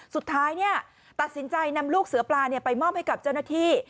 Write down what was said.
สุดท้ายตัดสินใจนำลูกเสือปลาไปมอบให้กับเจ้าหน้าที่